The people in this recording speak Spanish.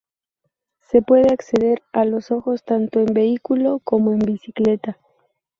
Se puede acceder a los ojos tanto en vehículo como en bicicleta.